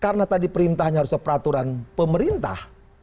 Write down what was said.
karena tadi perintahnya harusnya peraturan pemerintah